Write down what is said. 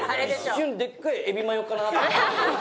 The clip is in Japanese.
一瞬でっかいエビマヨかなと。